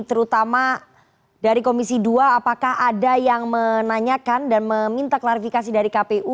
terutama dari komisi dua apakah ada yang menanyakan dan meminta klarifikasi dari kpu